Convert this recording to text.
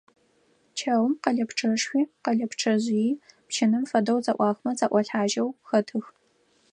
Чэум къэлэпчъэшхуи, къэлэпчъэжъыйи пщынэм фэдэу зэӀуахымэ зэӀуалъхьажьэу хэтых.